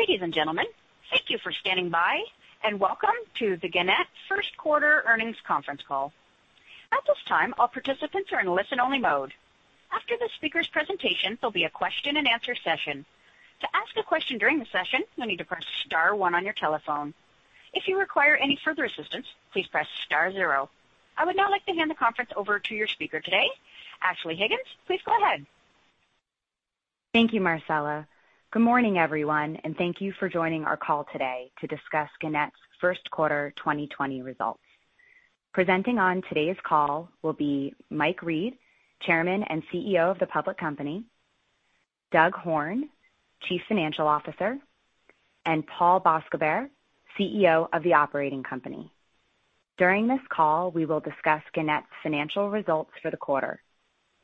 Ladies and gentlemen, thank you for standing by and welcome to the Gannett First Quarter Earnings Conference Call. At this time, all participants are in listen only mode. After the speaker's presentation, there will be a question and answer session. To ask a question during the session, you will need to press star one on your telephone. If you require any further assistance, please press star zero. I would now like to hand the conference over to your speaker today, Ashley Higgins. Please go ahead. Thank you, Marcella. Good morning, everyone, and thank you for joining our call today to discuss Gannett's first quarter 2020 results. Presenting on today's call will be Mike Reed, Chairman and CEO of the public company, Doug Horne, Chief Financial Officer, and Paul Bascobert, CEO of the operating company. During this call, we will discuss Gannett's financial results for the quarter.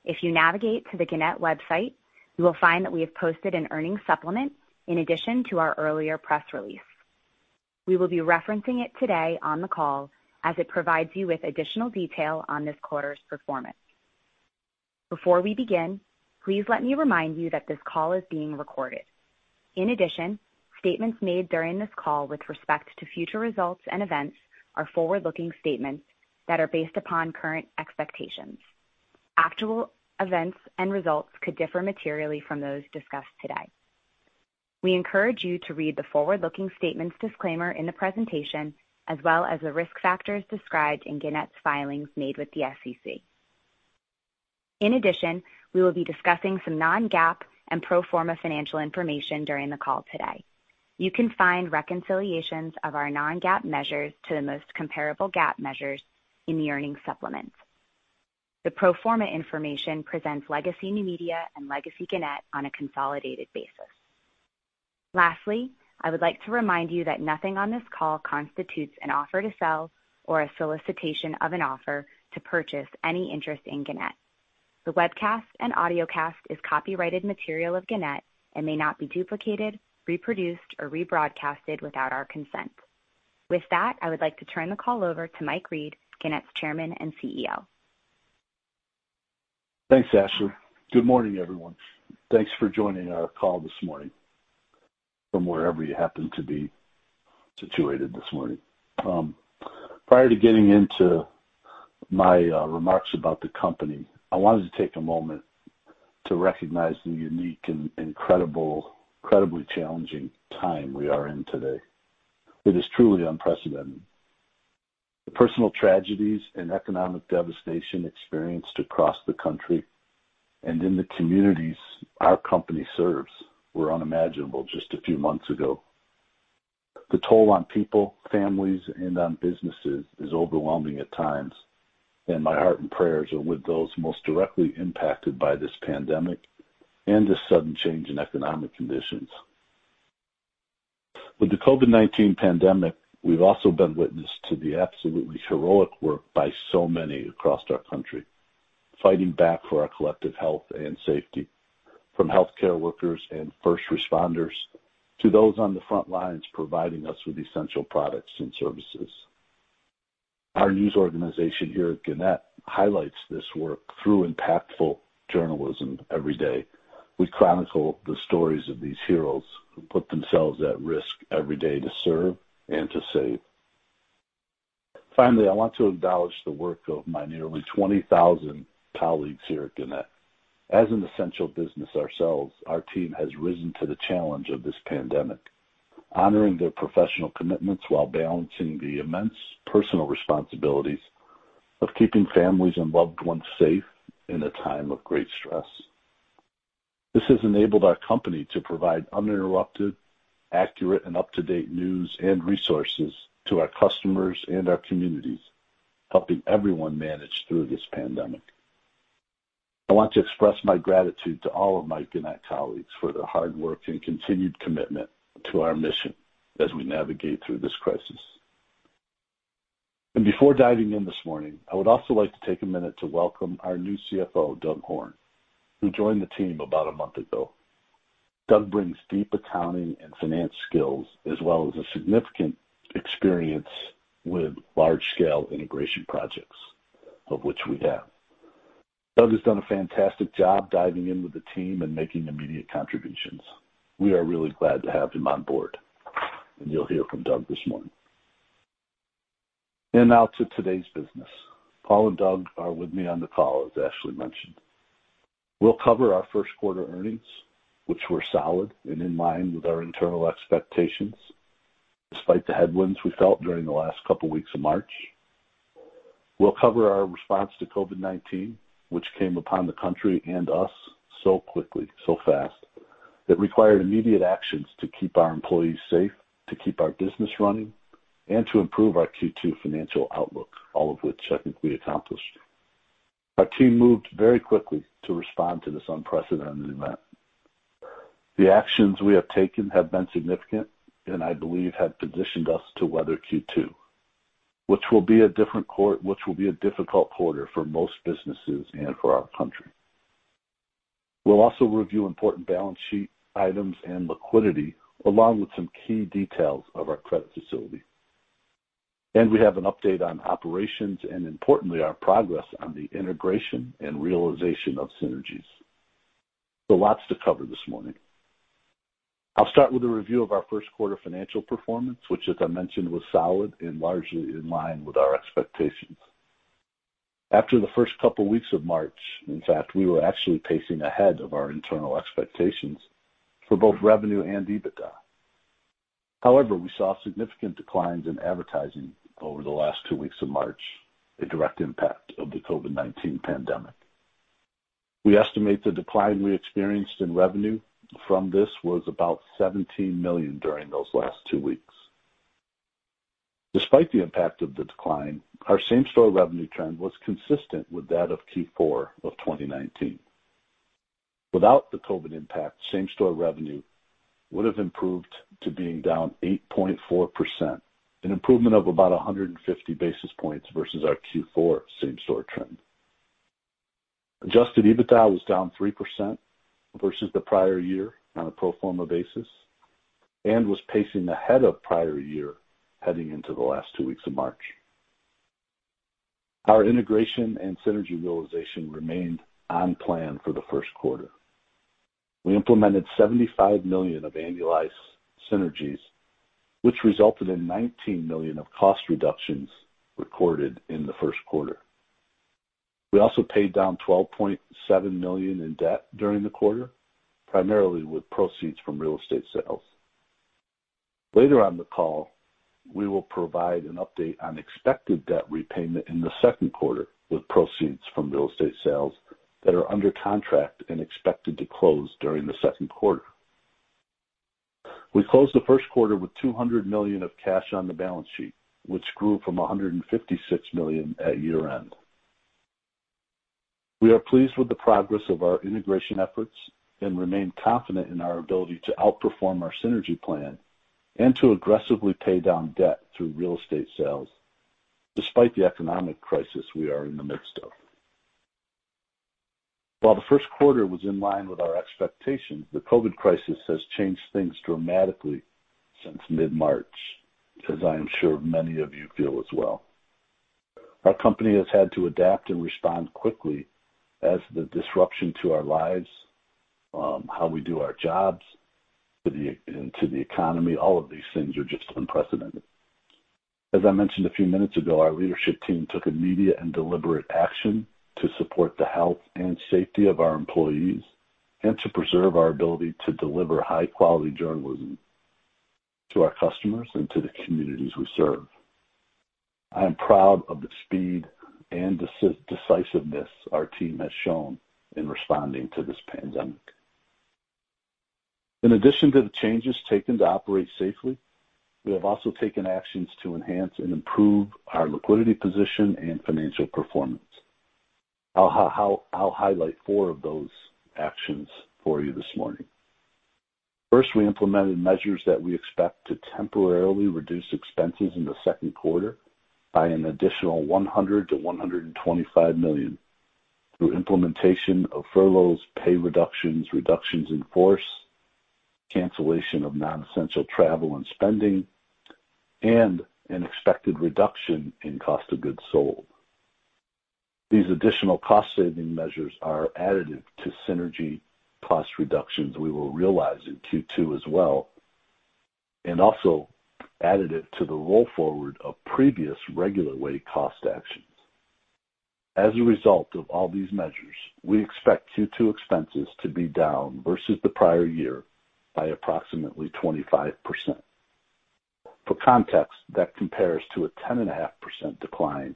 If you navigate to the Gannett website, you will find that we have posted an earnings supplement in addition to our earlier press release. We will be referencing it today on the call as it provides you with additional detail on this quarter's performance. Before we begin, please let me remind you that this call is being recorded. Statements made during this call with respect to future results and events are forward-looking statements that are based upon current expectations. Actual events and results could differ materially from those discussed today. We encourage you to read the forward-looking statements disclaimer in the presentation as well as the risk factors described in Gannett's filings made with the SEC. We will be discussing some non-GAAP and pro forma financial information during the call today. You can find reconciliations of our non-GAAP measures to the most comparable GAAP measures in the earnings supplement. The pro forma information presents Legacy New Media and Legacy Gannett on a consolidated basis. I would like to remind you that nothing on this call constitutes an offer to sell or a solicitation of an offer to purchase any interest in Gannett. The webcast and audiocast is copyrighted material of Gannett and may not be duplicated, reproduced, or rebroadcasted without our consent. With that, I would like to turn the call over to Mike Reed, Gannett's Chairman and CEO. Thanks, Ashley. Good morning, everyone. Thanks for joining our call this morning from wherever you happen to be situated this morning. Prior to getting into my remarks about the company, I wanted to take a moment to recognize the unique and incredibly challenging time we are in today. It is truly unprecedented. The personal tragedies and economic devastation experienced across the country and in the communities our company serves were unimaginable just a few months ago. The toll on people, families, and on businesses is overwhelming at times, and my heart and prayers are with those most directly impacted by this pandemic and this sudden change in economic conditions. With the COVID-19 pandemic, we've also been witness to the absolutely heroic work by so many across our country, fighting back for our collective health and safety, from healthcare workers and first responders to those on the front lines providing us with essential products and services. Our news organization here at Gannett highlights this work through impactful journalism every day. We chronicle the stories of these heroes who put themselves at risk every day to serve and to save. Finally, I want to acknowledge the work of my nearly 20,000 colleagues here at Gannett. As an essential business ourselves, our team has risen to the challenge of this pandemic, honoring their professional commitments while balancing the immense personal responsibilities of keeping families and loved ones safe in a time of great stress. This has enabled our company to provide uninterrupted, accurate, and up-to-date news and resources to our customers and our communities, helping everyone manage through this pandemic. I want to express my gratitude to all of my Gannett colleagues for their hard work and continued commitment to our mission as we navigate through this crisis. Before diving in this morning, I would also like to take a minute to welcome our new CFO, Doug Horne, who joined the team about a month ago. Doug brings deep accounting and finance skills as well as significant experience with large-scale integration projects, of which we have. Doug has done a fantastic job diving in with the team and making immediate contributions. We are really glad to have him on board, and you'll hear from Doug this morning. Now to today's business. Paul and Doug are with me on the call, as Ashley mentioned. We'll cover our first quarter earnings, which were solid and in line with our internal expectations, despite the headwinds we felt during the last couple weeks of March. We'll cover our response to COVID-19, which came upon the country and us so quickly, so fast, that required immediate actions to keep our employees safe, to keep our business running, and to improve our Q2 financial outlook, all of which I think we accomplished. Our team moved very quickly to respond to this unprecedented event. The actions we have taken have been significant and I believe have positioned us to weather Q2, which will be a difficult quarter for most businesses and for our country. We'll also review important balance sheet items and liquidity, along with some key details of our credit facility. We have an update on operations, and importantly, our progress on the integration and realization of synergies. Lots to cover this morning. I'll start with a review of our first quarter financial performance, which as I mentioned, was solid and largely in line with our expectations. After the first couple weeks of March, in fact, we were actually pacing ahead of our internal expectations for both revenue and EBITDA. However, we saw significant declines in advertising over the last two weeks of March, a direct impact of the COVID-19 pandemic. We estimate the decline we experienced in revenue from this was about $17 million during those last two weeks. Despite the impact of the decline, our same-store revenue trend was consistent with that of Q4 of 2019. Without the COVID-19 impact, same-store revenue would have improved to being down 8.4%, an improvement of about 150 basis points versus our Q4 same-store trend. Adjusted EBITDA was down 3% versus the prior year on a pro forma basis and was pacing ahead of prior year heading into the last two weeks of March. Our integration and synergy realization remained on plan for the first quarter. We implemented $75 million of annualized synergies, which resulted in $19 million of cost reductions recorded in the first quarter. We also paid down $12.7 million in debt during the quarter, primarily with proceeds from real estate sales. Later on the call, we will provide an update on expected debt repayment in the second quarter with proceeds from real estate sales that are under contract and expected to close during the second quarter. We closed the first quarter with $200 million of cash on the balance sheet, which grew from $156 million at year-end. We are pleased with the progress of our integration efforts and remain confident in our ability to outperform our synergy plan and to aggressively pay down debt through real estate sales despite the economic crisis we are in the midst of. While the first quarter was in line with our expectations, the COVID crisis has changed things dramatically since mid-March, as I am sure many of you feel as well. Our company has had to adapt and respond quickly as the disruption to our lives, how we do our jobs, and to the economy, all of these things are just unprecedented. As I mentioned a few minutes ago, our leadership team took immediate and deliberate action to support the health and safety of our employees and to preserve our ability to deliver high-quality journalism to our customers and to the communities we serve. I am proud of the speed and decisiveness our team has shown in responding to this pandemic. In addition to the changes taken to operate safely, we have also taken actions to enhance and improve our liquidity position and financial performance. I'll highlight four of those actions for you this morning. First, we implemented measures that we expect to temporarily reduce expenses in the second quarter by an additional $100 million-$125 million through implementation of furloughs, pay reductions in course, cancellation of non-essential travel and spending, and an expected reduction in cost of goods sold. These additional cost-saving measures are additive to synergy cost reductions we will realize in Q2 as well, and also additive to the roll forward of previous regular way cost actions. As a result of all these measures, we expect Q2 expenses to be down versus the prior year by approximately 25%. For context, that compares to a 10.5% decline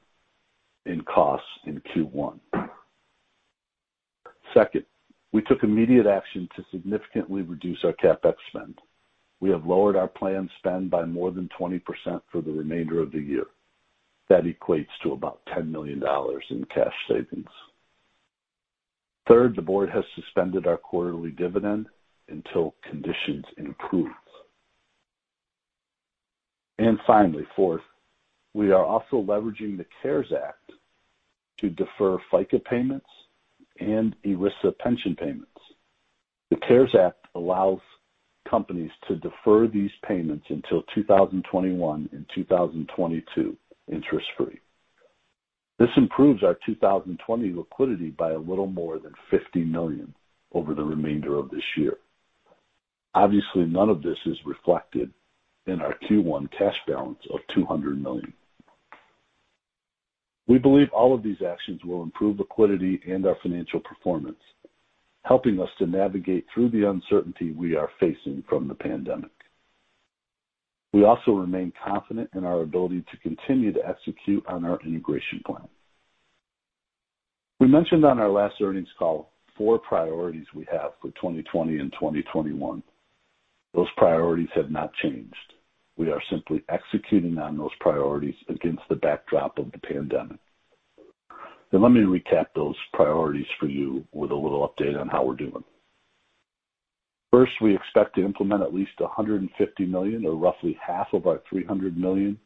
in costs in Q1. Second, we took immediate action to significantly reduce our CapEx spend. We have lowered our planned spend by more than 20% for the remainder of the year. That equates to about $10 million in cash savings. Third, the board has suspended our quarterly dividend until conditions improve. Finally, fourth, we are also leveraging the CARES Act to defer FICA payments and ERISA pension payments. The CARES Act allows companies to defer these payments until 2021 and 2022 interest-free. This improves our 2020 liquidity by a little more than $50 million over the remainder of this year. Obviously, none of this is reflected in our Q1 cash balance of $200 million. We believe all of these actions will improve liquidity and our financial performance, helping us to navigate through the uncertainty we are facing from the pandemic. We also remain confident in our ability to continue to execute on our integration plan. We mentioned on our last earnings call four priorities we have for 2020 and 2021. Those priorities have not changed. We are simply executing on those priorities against the backdrop of the pandemic. Let me recap those priorities for you with a little update on how we're doing. First, we expect to implement at least $150 million or roughly half of our $300 million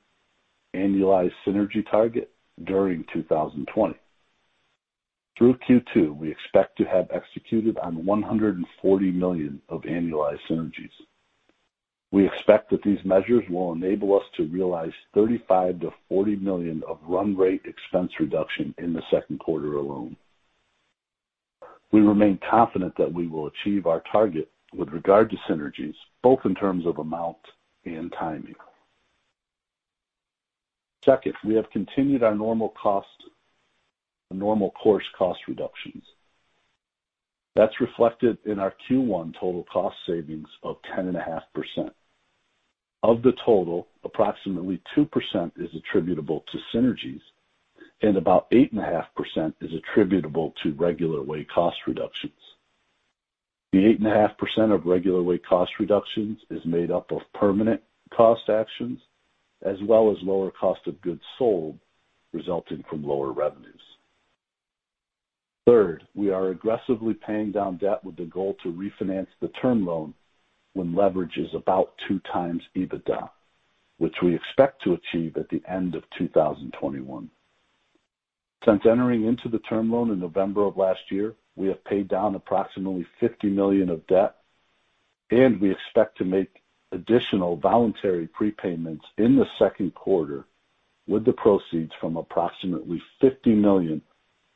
annualized synergy target during 2020. Through Q2, we expect to have executed on $140 million of annualized synergies. We expect that these measures will enable us to realize $35 million-$40 million of run rate expense reduction in the second quarter alone. We remain confident that we will achieve our target with regard to synergies, both in terms of amount and timing. Second, we have continued our normal course cost reductions. That's reflected in our Q1 total cost savings of 10.5%. Of the total, approximately 2% is attributable to synergies and about 8.5% is attributable to regular way cost reductions. The 8.5% of regular way cost reductions is made up of permanent cost actions, as well as lower cost of goods sold resulting from lower revenues. Third, we are aggressively paying down debt with the goal to refinance the term loan when leverage is about 2x EBITDA, which we expect to achieve at the end of 2021. Since entering into the term loan in November of last year, we have paid down approximately $50 million of debt, and we expect to make additional voluntary prepayments in the second quarter with the proceeds from approximately $50 million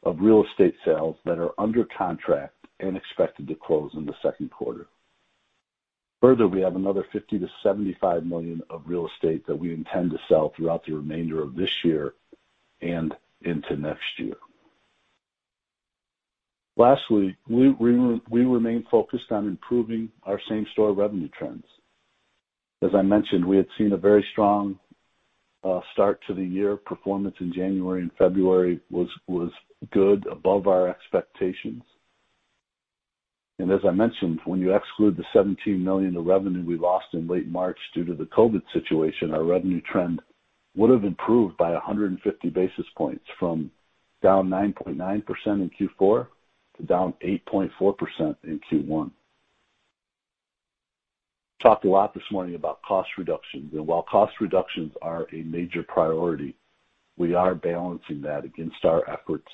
of real estate sales that are under contract and expected to close in the second quarter. Further, we have another $50 million-$75 million of real estate that we intend to sell throughout the remainder of this year and into next year. Lastly, we remain focused on improving our same-store revenue trends. As I mentioned, we had seen a very strong start to the year. Performance in January and February was good, above our expectations. As I mentioned, when you exclude the $17 million of revenue we lost in late March due to the COVID-19 situation, our revenue trend would have improved by 150 basis points from down 9.9% in Q4 to down 8.4% in Q1. Talked a lot this morning about cost reductions, and while cost reductions are a major priority, we are balancing that against our efforts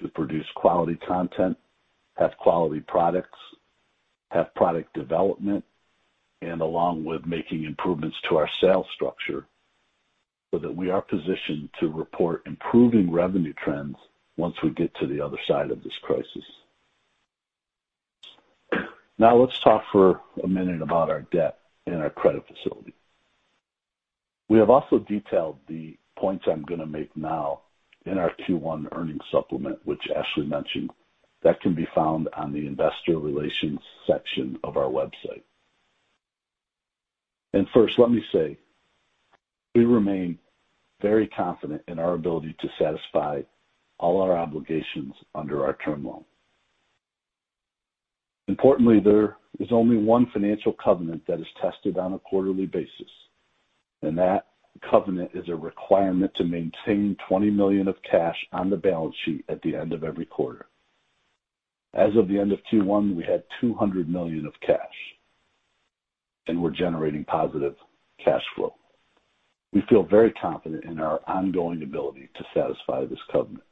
to produce quality content, have quality products, have product development, and along with making improvements to our sales structure so that we are positioned to report improving revenue trends once we get to the other side of this crisis. Let's talk for a minute about our debt and our credit facility. We have also detailed the points I'm going to make now in our Q1 earnings supplement, which Ashley mentioned. That can be found on the investor relations section of our website. First, let me say, we remain very confident in our ability to satisfy all our obligations under our term loan. Importantly, there is only one financial covenant that is tested on a quarterly basis, and that covenant is a requirement to maintain $20 million of cash on the balance sheet at the end of every quarter. As of the end of Q1, we had $200 million of cash, and we're generating positive cash flow. We feel very confident in our ongoing ability to satisfy this covenant.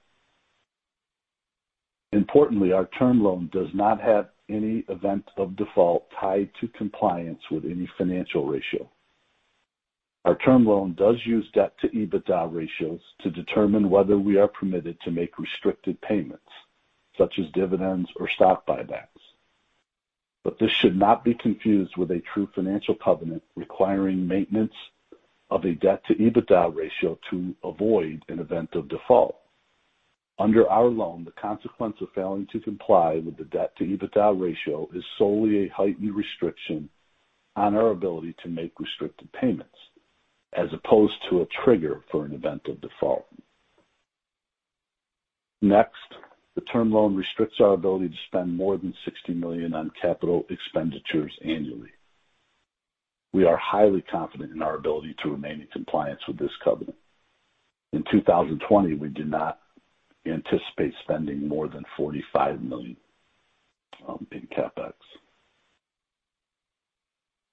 Importantly, our term loan does not have any event of default tied to compliance with any financial ratio. Our term loan does use debt-to-EBITDA ratios to determine whether we are permitted to make restricted payments, such as dividends or stock buybacks. This should not be confused with a true financial covenant requiring maintenance of a debt-to-EBITDA ratio to avoid an event of default. Under our loan, the consequence of failing to comply with the debt-to-EBITDA ratio is solely a heightened restriction on our ability to make restricted payments as opposed to a trigger for an event of default. Next, the term loan restricts our ability to spend more than $60 million on capital expenditures annually. We are highly confident in our ability to remain in compliance with this covenant. In 2020, we do not anticipate spending more than $45 million in CapEx.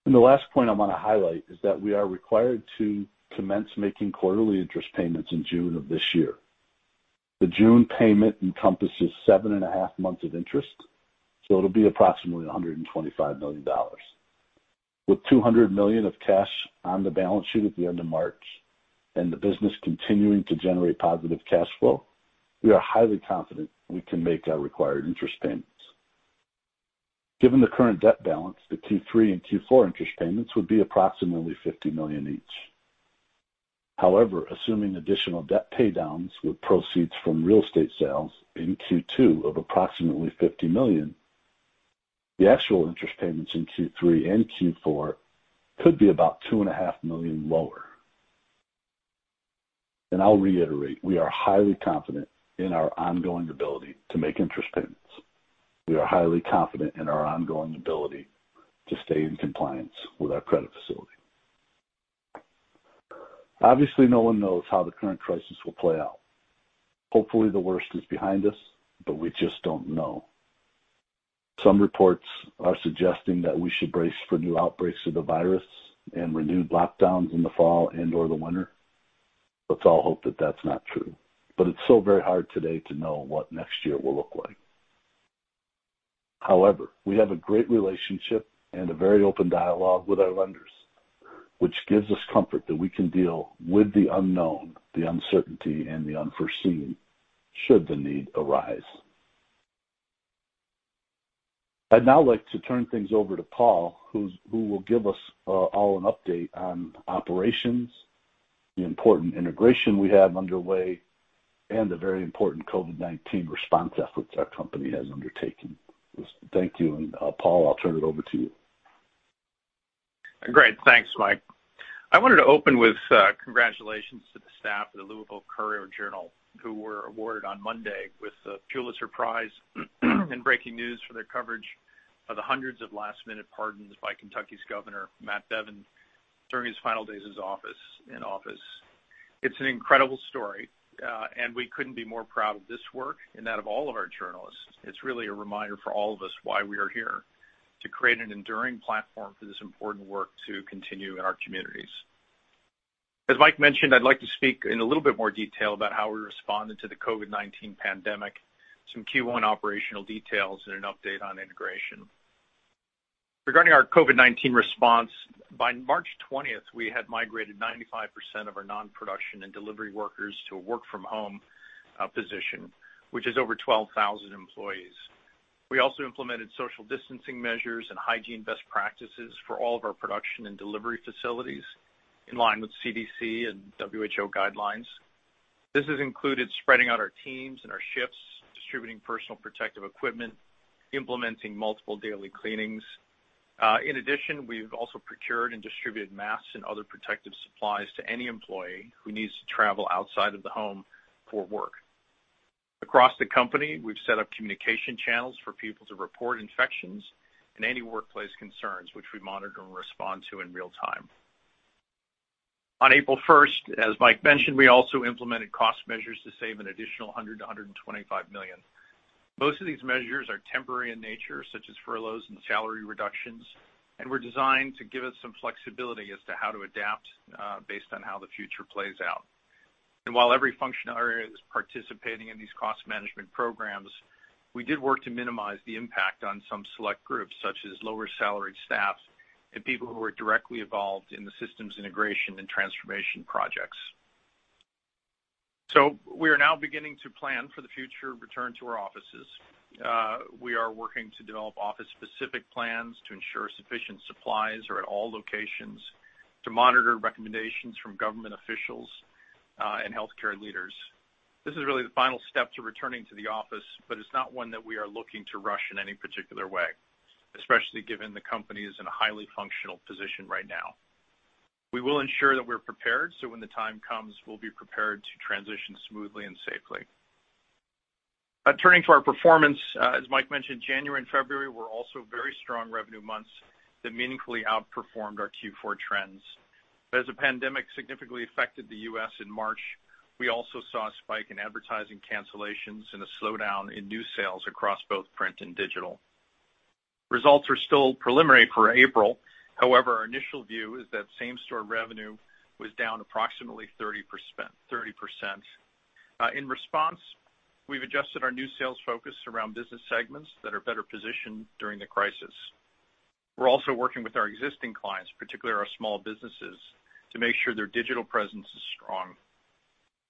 The last point I want to highlight is that we are required to commence making quarterly interest payments in June of this year. The June payment encompasses seven and a half months of interest, so it'll be approximately $125 million. With $200 million of cash on the balance sheet at the end of March and the business continuing to generate positive cash flow, we are highly confident we can make our required interest payments. Given the current debt balance, the Q3 and Q4 interest payments would be approximately $50 million each. Assuming additional debt paydowns with proceeds from real estate sales in Q2 of approximately $50 million, the actual interest payments in Q3 and Q4 could be about $2.5 million lower. I'll reiterate, we are highly confident in our ongoing ability to make interest payments. We are highly confident in our ongoing ability to stay in compliance with our credit facility. Obviously, no one knows how the current crisis will play out. Hopefully, the worst is behind us. We just don't know. Some reports are suggesting that we should brace for new outbreaks of the virus and renewed lockdowns in the fall and/or the winter. Let's all hope that that's not true. It's so very hard today to know what next year will look like. However, we have a great relationship and a very open dialogue with our lenders, which gives us comfort that we can deal with the unknown, the uncertainty, and the unforeseen should the need arise. I'd now like to turn things over to Paul, who will give us all an update on operations, the important integration we have underway, and the very important COVID-19 response efforts our company has undertaken. Thank you. And Paul, I'll turn it over to you. Great. Thanks, Mike. I wanted to open with congratulations to the staff of the Louisville Courier-Journal, who were awarded on Monday with the Pulitzer Prize in breaking news for their coverage of the hundreds of last-minute pardons by Kentucky's Governor, Matt Bevin, during his final days in office. It's an incredible story. We couldn't be more proud of this work and that of all of our journalists. It's really a reminder for all of us why we are here, to create an enduring platform for this important work to continue in our communities. As Mike mentioned, I'd like to speak in a little bit more detail about how we responded to the COVID-19 pandemic, some Q1 operational details, and an update on integration. Regarding our COVID-19 response, by March 20th, we had migrated 95% of our non-production and delivery workers to a work-from-home position, which is over 12,000 employees. We also implemented social distancing measures and hygiene best practices for all of our production and delivery facilities in line with CDC and WHO guidelines. This has included spreading out our teams and our shifts, distributing personal protective equipment, implementing multiple daily cleanings. We've also procured and distributed masks and other protective supplies to any employee who needs to travel outside of the home for work. Across the company, we've set up communication channels for people to report infections and any workplace concerns, which we monitor and respond to in real time. On April 1st, as Mike mentioned, we also implemented cost measures to save an additional $100 million-$125 million. Most of these measures are temporary in nature, such as furloughs and salary reductions, and were designed to give us some flexibility as to how to adapt based on how the future plays out. While every functional area is participating in these cost management programs, we did work to minimize the impact on some select groups, such as lower salaried staff and people who are directly involved in the systems integration and transformation projects. We are now beginning to plan for the future return to our offices. We are working to develop office specific plans to ensure sufficient supplies are at all locations to monitor recommendations from government officials and healthcare leaders. This is really the final step to returning to the office, but it's not one that we are looking to rush in any particular way, especially given the company is in a highly functional position right now. We will ensure that we're prepared, so when the time comes, we'll be prepared to transition smoothly and safely. Turning to our performance, as Mike mentioned, January and February were also very strong revenue months that meaningfully outperformed our Q4 trends. As the pandemic significantly affected the U.S. in March, we also saw a spike in advertising cancellations and a slowdown in new sales across both print and digital. Results are still preliminary for April. However, our initial view is that same-store revenue was down approximately 30%. In response, we've adjusted our new sales focus around business segments that are better positioned during the crisis. We're also working with our existing clients, particularly our small businesses, to make sure their digital presence is strong.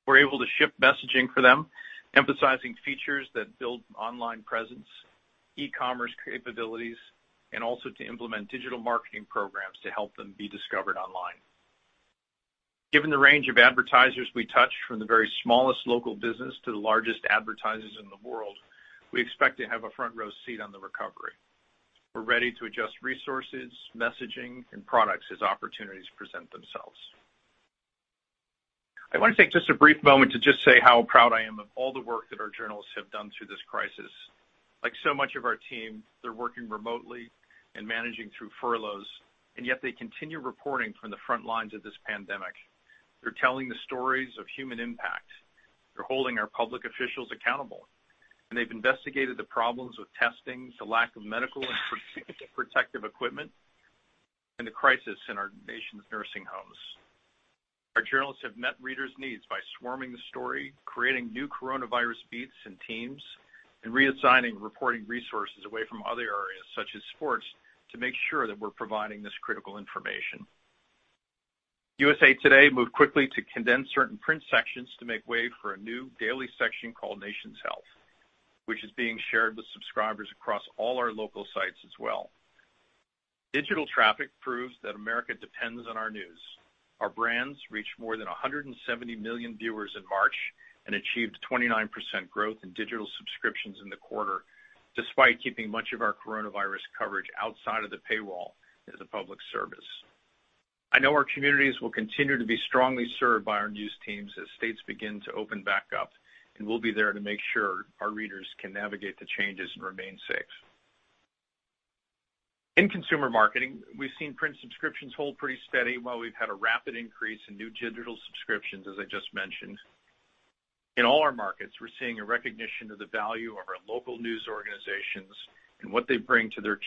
We're able to ship messaging for them, emphasizing features that build online presence, e-commerce capabilities, and also to implement digital marketing programs to help them be discovered online. Given the range of advertisers we touch, from the very smallest local business to the largest advertisers in the world, we expect to have a front row seat on the recovery. We're ready to adjust resources, messaging, and products as opportunities present themselves. I want to take just a brief moment to just say how proud I am of all the work that our journalists have done through this crisis. Like so much of our team, they're working remotely and managing through furloughs, and yet they continue reporting from the front lines of this pandemic. They're telling the stories of human impact. They're holding our public officials accountable, and they've investigated the problems with testing, the lack of medical protective equipment, and the crisis in our nation's nursing homes. Our journalists have met readers' needs by swarming the story, creating new Coronavirus beats and teams, and reassigning reporting resources away from other areas such as sports, to make sure that we're providing this critical information. USA TODAY moved quickly to condense certain print sections to make way for a new daily section called Nation's Health, which is being shared with subscribers across all our local sites as well. Digital traffic proves that America depends on our news. Our brands reached more than 170 million viewers in March and achieved 29% growth in digital subscriptions in the quarter, despite keeping much of our Coronavirus coverage outside of the paywall as a public service. I know our communities will continue to be strongly served by our news teams as states begin to open back up, and we'll be there to make sure our readers can navigate the changes and remain safe. In consumer marketing, we've seen print subscriptions hold pretty steady while we've had a rapid increase in new digital subscriptions, as I just mentioned. In all our markets, we're seeing a recognition of the value of our local news organizations and what they bring to their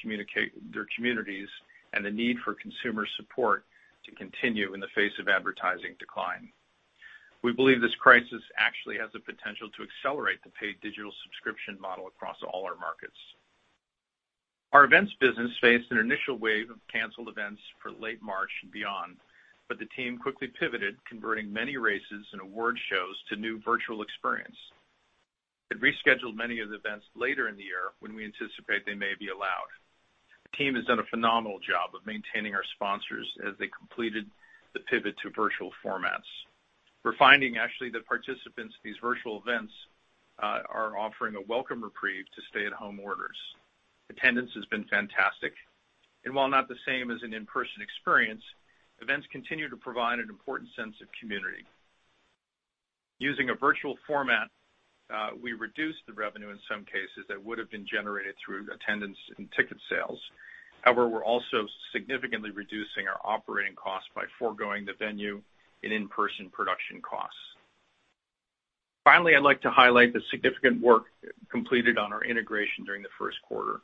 communities, and the need for consumer support to continue in the face of advertising decline. We believe this crisis actually has the potential to accelerate the paid digital subscription model across all our markets. Our events business faced an initial wave of canceled events for late March and beyond, but the team quickly pivoted, converting many races and award shows to new virtual experience, and rescheduled many of the events later in the year when we anticipate they may be allowed. The team has done a phenomenal job of maintaining our sponsors as they completed the pivot to virtual formats. We're finding actually that participants in these virtual events are offering a welcome reprieve to stay-at-home orders. Attendance has been fantastic, and while not the same as an in-person experience, events continue to provide an important sense of community. Using a virtual format, we reduced the revenue in some cases that would have been generated through attendance and ticket sales. However, we're also significantly reducing our operating cost by foregoing the venue and in-person production costs. Finally, I'd like to highlight the significant work completed on our integration during the first quarter.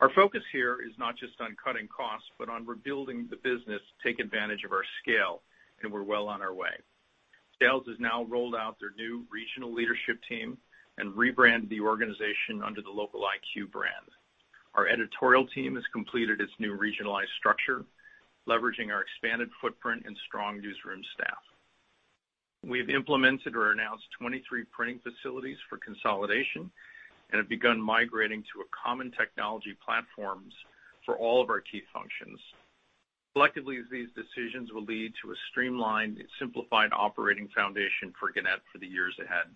Our focus here is not just on cutting costs, but on rebuilding the business to take advantage of our scale, and we're well on our way. Sales has now rolled out their new regional leadership team and rebranded the organization under the LocaliQ brand. Our editorial team has completed its new regionalized structure, leveraging our expanded footprint and strong newsroom staff. We've implemented or announced 23 printing facilities for consolidation and have begun migrating to common technology platforms for all of our key functions. Collectively, these decisions will lead to a streamlined, simplified operating foundation for Gannett for the years ahead.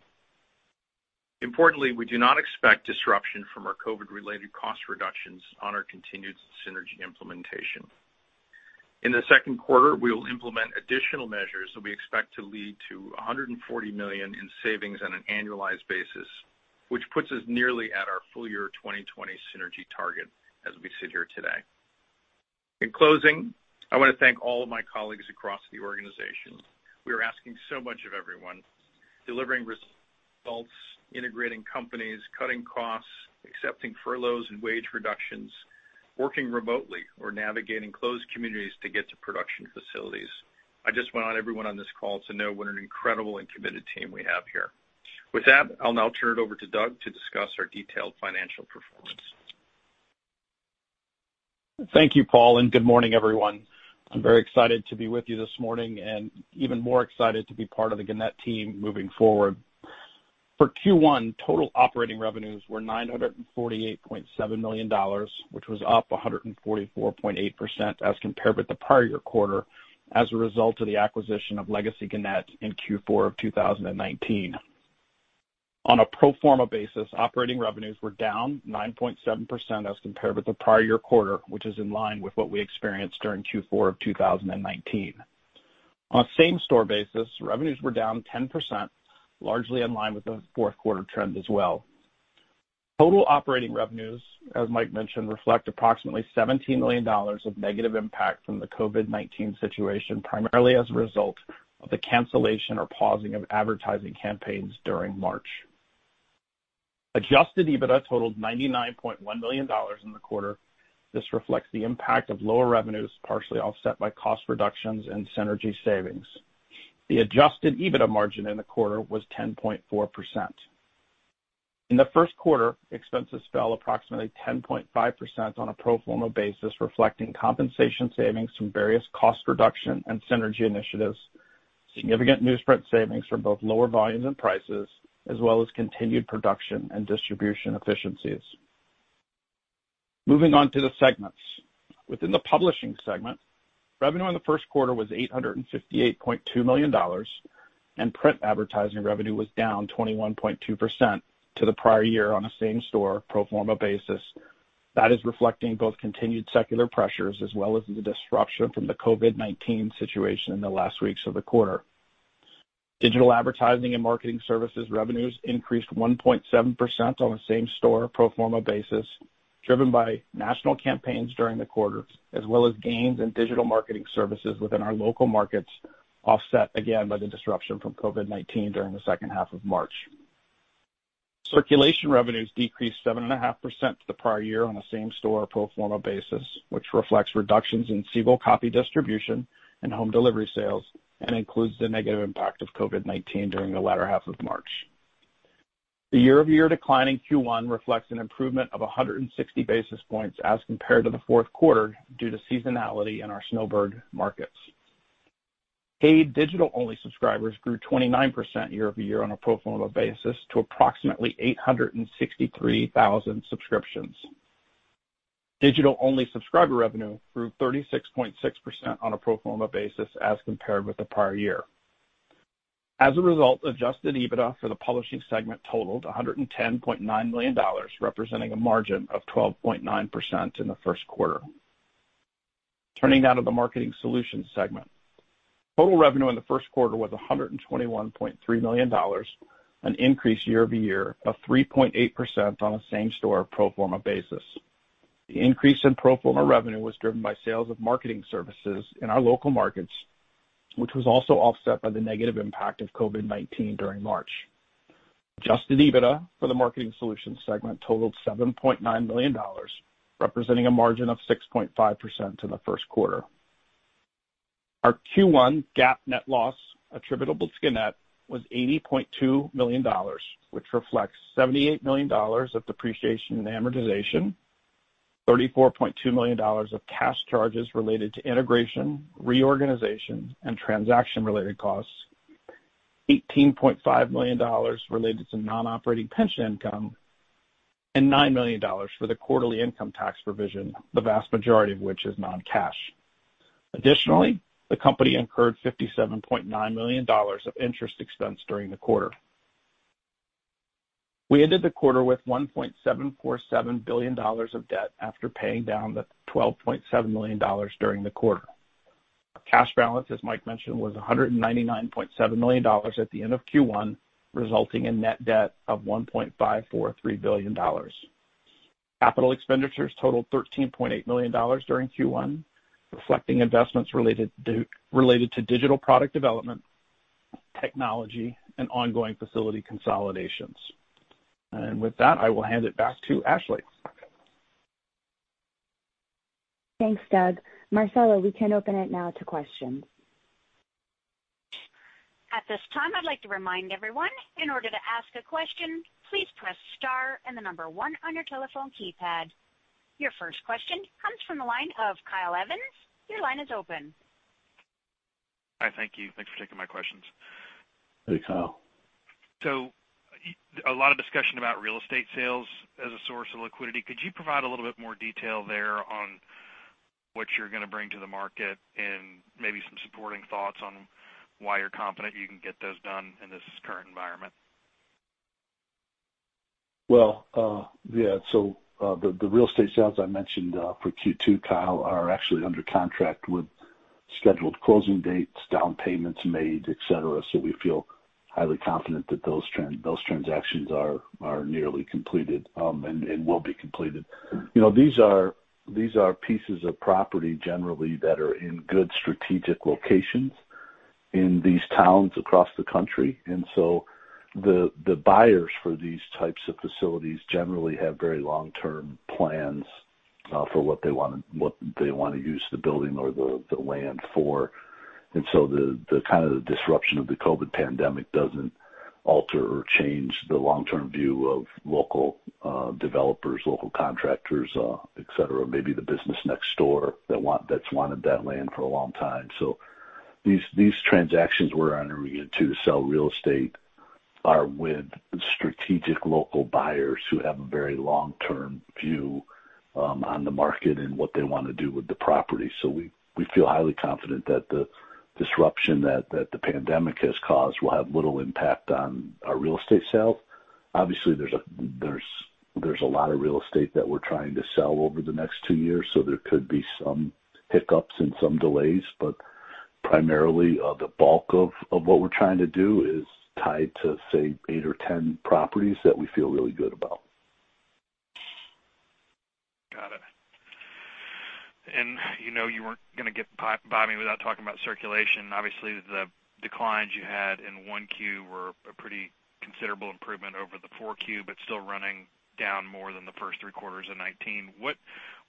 Importantly, we do not expect disruption from our COVID-related cost reductions on our continued synergy implementation. In the second quarter, we will implement additional measures that we expect to lead to $140 million in savings on an annualized basis, which puts us nearly at our full year 2020 synergy target as we sit here today. In closing, I want to thank all of my colleagues across the organization. We are asking so much of everyone, delivering results, integrating companies, cutting costs, accepting furloughs and wage reductions, working remotely, or navigating closed communities to get to production facilities. I just want everyone on this call to know what an incredible and committed team we have here. With that, I'll now turn it over to Doug to discuss our detailed financial performance. Thank you, Paul, and good morning, everyone. I'm very excited to be with you this morning and even more excited to be part of the Gannett team moving forward. For Q1, total operating revenues were $948.7 million, which was up 144.8% as compared with the prior year quarter as a result of the acquisition of Legacy Gannett in Q4 of 2019. On a pro forma basis, operating revenues were down 9.7% as compared with the prior year quarter, which is in line with what we experienced during Q4 of 2019. On a same-store basis, revenues were down 10%, largely in line with the fourth quarter trend as well. Total operating revenues, as Mike mentioned, reflect approximately $17 million of negative impact from the COVID-19 situation, primarily as a result of the cancellation or pausing of advertising campaigns during March. Adjusted EBITDA totaled $99.1 million in the quarter. This reflects the impact of lower revenues, partially offset by cost reductions and synergy savings. The adjusted EBITDA margin in the quarter was 10.4%. In the first quarter, expenses fell approximately 10.5% on a pro forma basis, reflecting compensation savings from various cost reduction and synergy initiatives, significant newsprint savings from both lower volumes and prices, as well as continued production and distribution efficiencies. Moving on to the segments. Within the Publishing segment, revenue in the first quarter was $858.2 million. Print advertising revenue was down 21.2% to the prior year on a same-store pro forma basis. That is reflecting both continued secular pressures as well as the disruption from the COVID-19 situation in the last weeks of the quarter. Digital advertising and marketing services revenues increased 1.7% on a same-store pro forma basis, driven by national campaigns during the quarter, as well as gains in digital marketing services within our local markets, offset again by the disruption from COVID-19 during the second half of March. Circulation revenues decreased 7.5% to the prior year on a same-store pro forma basis, which reflects reductions in single copy distribution and home delivery sales and includes the negative impact of COVID-19 during the latter half of March. The year-over-year decline in Q1 reflects an improvement of 160 basis points as compared to the fourth quarter due to seasonality in our snowbird markets. Paid digital-only subscribers grew 29% year-over-year on a pro forma basis to approximately 863,000 subscriptions. Digital-only subscriber revenue grew 36.6% on a pro forma basis as compared with the prior year. As a result, adjusted EBITDA for the publishing segment totaled $110.9 million, representing a margin of 12.9% in the first quarter. Turning now to the Marketing Solutions segment. Total revenue in the first quarter was $121.3 million, an increase year-over-year of 3.8% on a same-store pro forma basis. The increase in pro forma revenue was driven by sales of marketing services in our local markets, which was also offset by the negative impact of COVID-19 during March. Adjusted EBITDA for the Marketing Solutions segment totaled $7.9 million, representing a margin of 6.5% in the first quarter. Our Q1 GAAP net loss attributable to Gannett was $80.2 million, which reflects $78 million of depreciation and amortization, $34.2 million of cash charges related to integration, reorganization, and transaction-related costs, $18.5 million related to non-operating pension income, and $9 million for the quarterly income tax provision, the vast majority of which is non-cash. Additionally, the company incurred $57.9 million of interest expense during the quarter. We ended the quarter with $1.747 billion of debt after paying down the $12.7 million during the quarter. Our cash balance, as Mike mentioned, was $199.7 million at the end of Q1, resulting in net debt of $1.543 billion. Capital expenditures totaled $13.8 million during Q1, reflecting investments related to digital product development, technology, and ongoing facility consolidations. With that, I will hand it back to Ashley. Thanks, Doug. Marcella, we can open it now to questions. At this time, I'd like to remind everyone, in order to ask a question, please press star and the number one on your telephone keypad. Your first question comes from the line of Kyle Evans. Your line is open. Hi, thank you. Thanks for taking my questions. Hey, Kyle. A lot of discussion about real estate sales as a source of liquidity. Could you provide a little bit more detail there on what you're going to bring to the market and maybe some supporting thoughts on why you're confident you can get those done in this current environment? Well, yeah. The real estate sales I mentioned for Q2, Kyle, are actually under contract with scheduled closing dates, down payments made, et cetera, so we feel highly confident that those transactions are nearly completed and will be completed. These are pieces of property generally that are in good strategic locations in these towns across the country. The buyers for these types of facilities generally have very long-term plans for what they want to use them for or what the land for. The kind of disruption of the COVID pandemic doesn't alter or change the long-term view of local developers, local contractors, et cetera, maybe the business next door that's wanted that land for a long time. These transactions we're entering into to sell real estate are with strategic local buyers who have a very long-term view on the market and what they want to do with the property. We feel highly confident that the disruption that the pandemic has caused will have little impact on our real estate sales. Obviously, there's a lot of real estate that we're trying to sell over the next two years, so there could be some hiccups and some delays, but primarily, the bulk of what we're trying to do is tied to, say, eight or 10 properties that we feel really good about. Got it. You know you weren't going to get by me without talking about circulation. Obviously, the declines you had in 1Q were a pretty considerable improvement over the 4Q, but still running down more than the first three quarters of 2019. What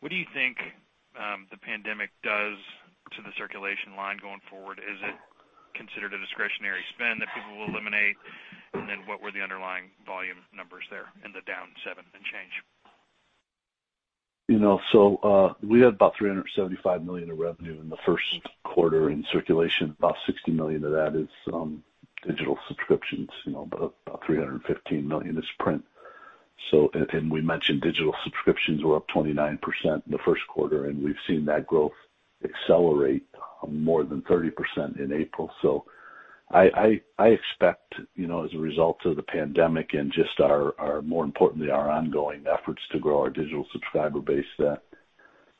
do you think the pandemic does to the circulation line going forward? Is it considered a discretionary spend that people will eliminate? What were the underlying volume numbers there in the down seven and change? We had about $375 million of revenue in the first quarter in circulation. About $60 million of that is digital subscriptions. About $315 million is print. We mentioned digital subscriptions were up 29% in the first quarter, and we've seen that growth accelerate more than 30% in April. I expect as a result of the pandemic and just more importantly, our ongoing efforts to grow our digital subscriber base that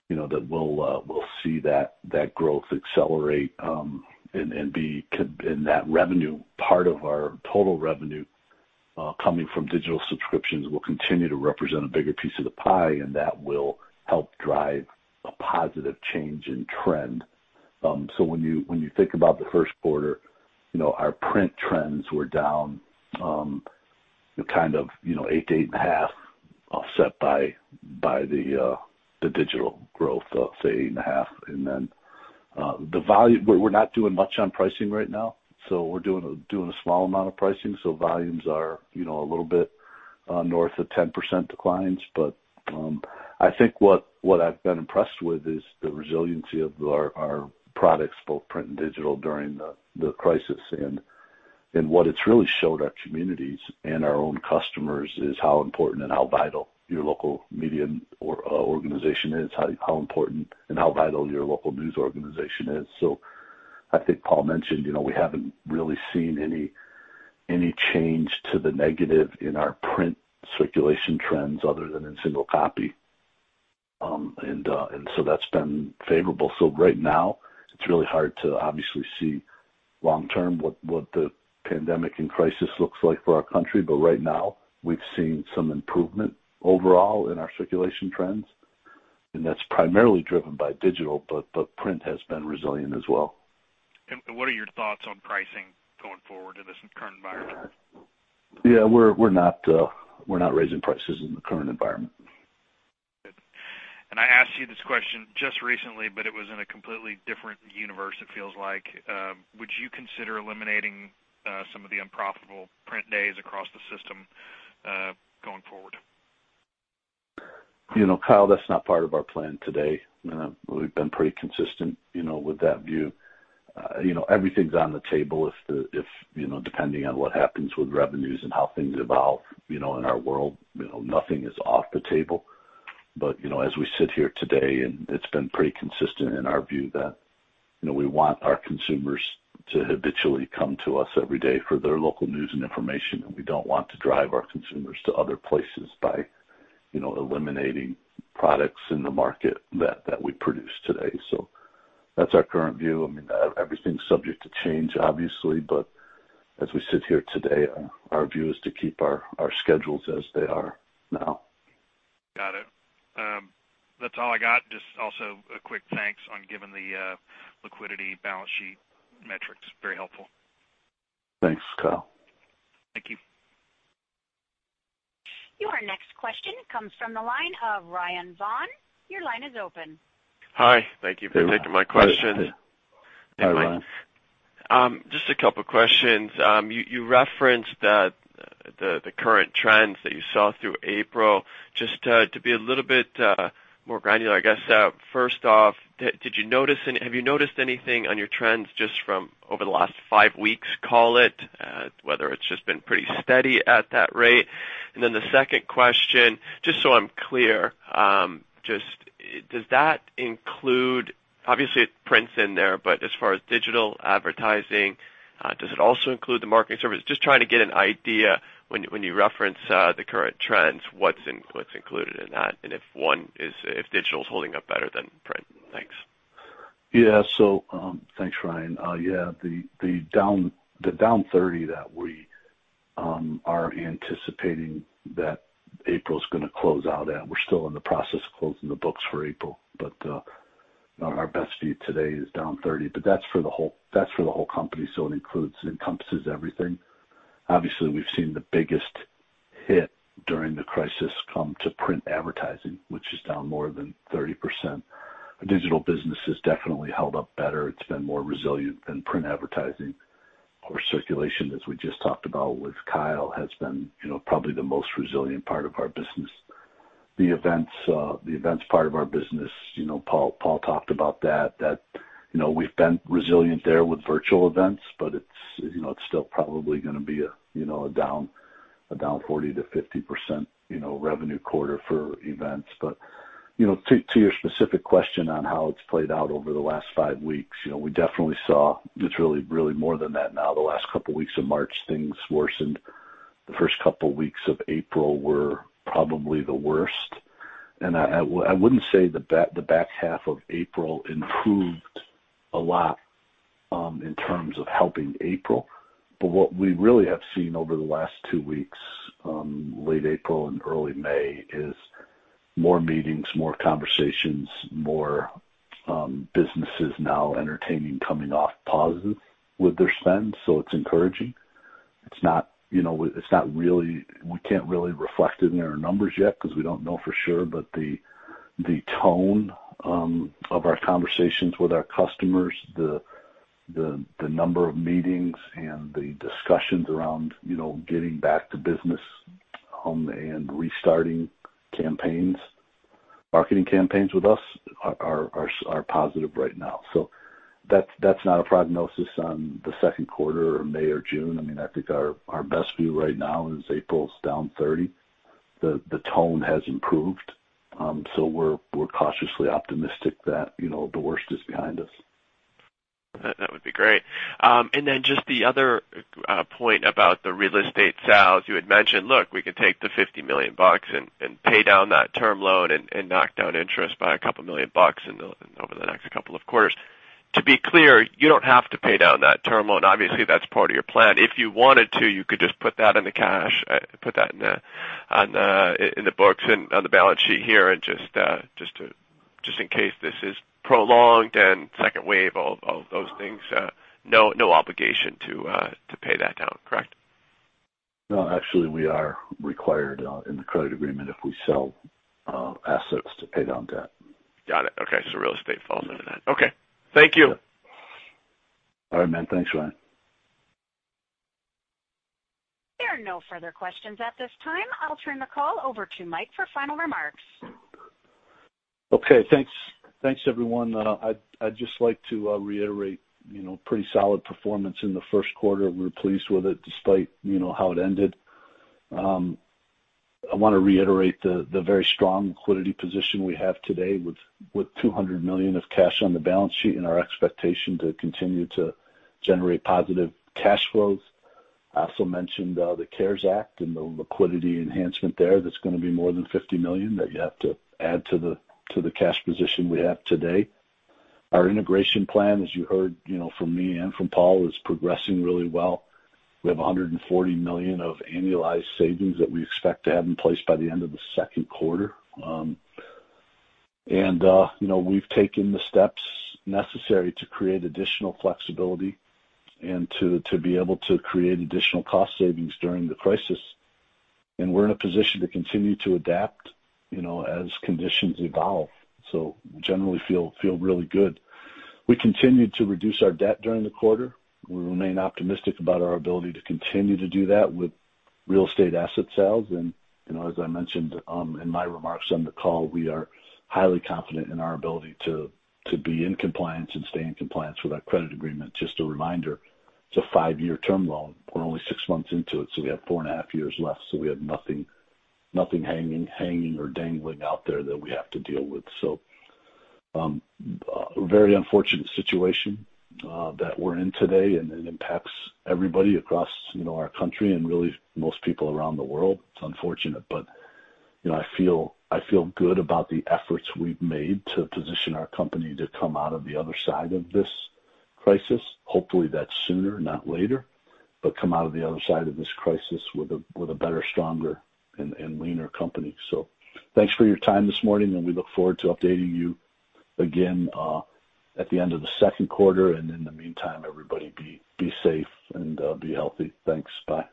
we'll see that growth accelerate and that revenue, part of our total revenue coming from digital subscriptions will continue to represent a bigger piece of the pie, and that will help drive a positive change in trend. When you think about the first quarter, our print trends were down kind of 8%-8.5%, offset by the digital growth of, say, 8.5%. The volume, we're not doing much on pricing right now, so we're doing a small amount of pricing. Volumes are a little bit north of 10% declines. I think what I've been impressed with is the resiliency of our products, both print and digital, during the crisis. What it's really showed our communities and our own customers is how important and how vital your local media organization is, how important and how vital your local news organization is. I think Paul mentioned, we haven't really seen any change to the negative in our print circulation trends other than in single copy. That's been favorable. Right now, it's really hard to obviously see long-term what the pandemic and crisis looks like for our country. Right now, we've seen some improvement overall in our circulation trends, and that's primarily driven by digital, but print has been resilient as well. What are your thoughts on pricing going forward in this current environment? Yeah, we're not raising prices in the current environment. Good. I asked you this question just recently, but it was in a completely different universe, it feels like. Would you consider eliminating some of the unprofitable print days across the system going forward? Kyle, that's not part of our plan today. We've been pretty consistent with that view. Everything's on the table depending on what happens with revenues and how things evolve in our world. Nothing is off the table. As we sit here today, and it's been pretty consistent in our view that we want our consumers to habitually come to us every day for their local news and information, and we don't want to drive our consumers to other places by eliminating products in the market that we produce today. That's our current view. Everything is subject to change, obviously, but as we sit here today, our view is to keep our schedules as they are now. Got it. That's all I got. Just also a quick thanks on giving the liquidity balance sheet metrics. Very helpful. Thanks, Kyle. Thank you. Your next question comes from the line of Ryan Vaughn. Your line is open. Hi. Thank you for taking my question. Hi, Ryan. Just a couple of questions. You referenced the current trends that you saw through April. Just to be a little bit more granular, I guess, first off, have you noticed anything on your trends just from over the last five weeks, call it? Whether it's just been pretty steady at that rate. The second question, just so I'm clear, obviously print is in there, but as far as digital advertising, does it also include the Marketing Solutions? Just trying to get an idea when you reference the current trends, what's included in that, and if digital is holding up better than print. Thanks. Yeah. Thanks, Ryan. The down 30% that we are anticipating that April is going to close out at, we're still in the process of closing the books for April. Our best view today is down 30%. That's for the whole company, so it encompasses everything. Obviously, we've seen the biggest hit during the crisis come to print advertising, which is down more than 30%. The digital business has definitely held up better. It's been more resilient than print advertising or circulation, as we just talked about with Kyle, has been probably the most resilient part of our business. The events part of our business, Paul talked about that, we've been resilient there with virtual events, but it's still probably going to be a down 40%-50% revenue quarter for events. To your specific question on how it's played out over the last five weeks, we definitely saw it's really more than that now. The last couple weeks of March, things worsened. The first couple weeks of April were probably the worst. I wouldn't say the back half of April improved a lot in terms of helping April. What we really have seen over the last two weeks, late April and early May, is more meetings, more conversations, more businesses now entertaining coming off positive with their spend. It's encouraging. We can't really reflect it in our numbers yet because we don't know for sure. The tone of our conversations with our customers, the number of meetings and the discussions around getting back to business and restarting marketing campaigns with us are positive right now. That's not a prognosis on the second quarter or May or June. I think our best view right now is April is down 30%. The tone has improved, so we're cautiously optimistic that the worst is behind us. That would be great. Just the other point about the real estate sales, you had mentioned, look, we could take the $50 million and pay down that term loan and knock down interest by a couple million bucks over the next couple of quarters. To be clear, you don't have to pay down that term loan. Obviously, that's part of your plan. If you wanted to, you could just put that in the books and on the balance sheet here, and just in case this is prolonged and second wave, all of those things, no obligation to pay that down, correct? No, actually, we are required in the credit agreement if we sell assets to pay down debt. Got it. Okay. Real estate falls into that. Okay. Thank you. All right, man. Thanks, Ryan. There are no further questions at this time. I'll turn the call over to Mike for final remarks. Okay. Thanks, everyone. I'd just like to reiterate, pretty solid performance in the first quarter. We're pleased with it despite how it ended. I want to reiterate the very strong liquidity position we have today with $200 million of cash on the balance sheet and our expectation to continue to generate positive cash flows. I also mentioned the CARES Act and the liquidity enhancement there that's going to be more than $50 million that you have to add to the cash position we have today. Our integration plan, as you heard from me and from Paul, is progressing really well. We have $140 million of annualized savings that we expect to have in place by the end of the second quarter. We've taken the steps necessary to create additional flexibility and to be able to create additional cost savings during the crisis. We're in a position to continue to adapt as conditions evolve. Generally feel really good. We continued to reduce our debt during the quarter. We remain optimistic about our ability to continue to do that with real estate asset sales. As I mentioned in my remarks on the call, we are highly confident in our ability to be in compliance and stay in compliance with our credit agreement. Just a reminder, it's a five-year term loan. We're only six months into it, so we have four and a half years left. We have nothing hanging or dangling out there that we have to deal with. A very unfortunate situation that we're in today, and it impacts everybody across our country and really most people around the world. It's unfortunate, but I feel good about the efforts we've made to position our company to come out of the other side of this crisis. Hopefully that's sooner, not later, but come out of the other side of this crisis with a better, stronger, and leaner company. Thanks for your time this morning, and we look forward to updating you again at the end of the second quarter. In the meantime, everybody be safe and be healthy. Thanks. Bye.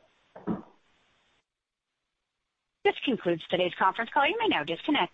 This concludes today's conference call. You may now disconnect.